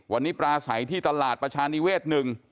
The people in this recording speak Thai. วันนี้ปลาใสที่ตลาดประชานิเวศ๑